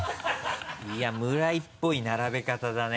いや村井っぽい並べ方だね。